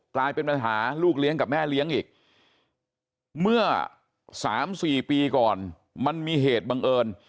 กลายเป็นปัญหาลูกเลี้ยงกับแม่เลี้ยงอีกเมื่อ๓๔ปีก่อนมันมีเหตุบังเอิญ